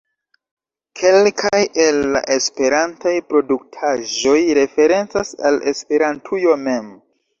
Kelkaj el la esperantaj produktaĵoj referencas al Esperantujo mem.